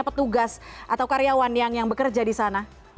petugas atau karyawan yang bekerja di sana